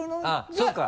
そうか。